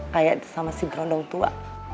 kayak sama si gerondong tua